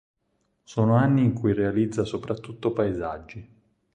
Sono anni in cui realizza soprattutto paesaggi.